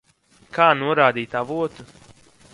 Kā norādīt avotu?